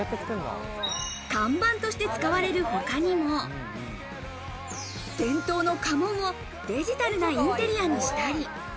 看板として使われるほかにも、伝統の家紋をデジタルなインテリアにしたり。